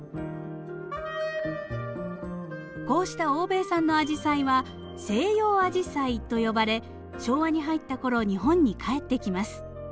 こうした欧米産のアジサイは「西洋アジサイ」と呼ばれ昭和に入った頃日本に帰ってきます。